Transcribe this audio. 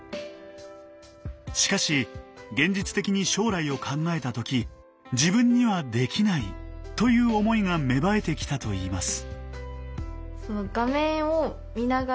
しかし現実的に将来を考えた時自分には「できない」という思いが芽生えてきたといいます。